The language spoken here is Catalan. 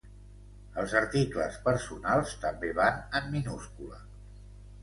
Els articles personals també van en minúscula.